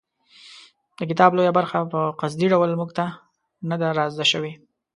د کتاب لویه برخه په قصدي ډول موږ ته نه ده رازده شوې.